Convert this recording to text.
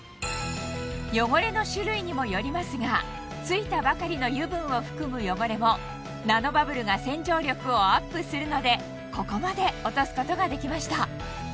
汚れの種類にもよりますが付いたばかりの油分を含む汚れもナノバブルが洗浄力をアップするのでここまで落とすことができました